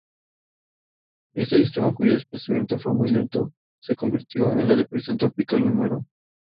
Este sistema cuyo desplazamiento fue muy lento, se convirtió en la Depresión Tropical No.